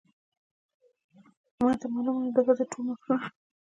ماته معلومه دي د ښځو ټول مکرونه